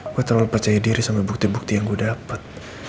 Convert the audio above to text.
gua terlalu percaya diri sama bukti bukti yang gua dapet